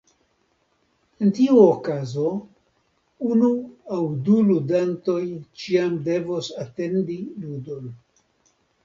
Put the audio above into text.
En tiu okazo, unu aŭ du ludantoj ĉiam devos atendi ludon.